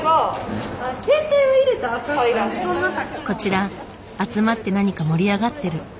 こちら集まって何か盛り上がってる。